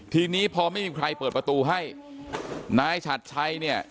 ทีนี้พอไม่มีใครเปิดประตูให้นายฉัดชัยเนี่ย